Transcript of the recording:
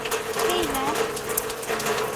হেই, ম্যাভ।